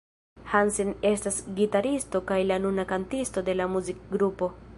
Hansen estas gitaristo kaj la nuna kantisto de la muzikgrupo.